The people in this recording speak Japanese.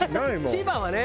千葉はね。